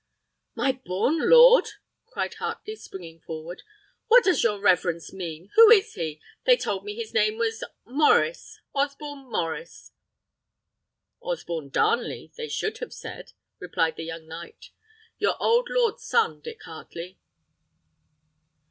"My born lord!" cried Heartley, springing forward; "what does your reverence mean? Who is he? They told me his name was Maurice Osborne Maurice." "Osborne Darnley, they should have said," replied the young knight. "Your old lord's son, Dick Heartley."